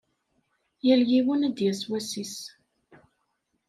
Yal yiwen ad d-yas wass-is.